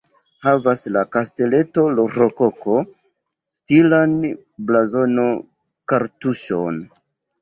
Havas la kasteleto rokoko-stilan blazono-kartuŝon.